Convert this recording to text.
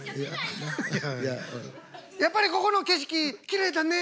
やっぱりここの景色きれいだね。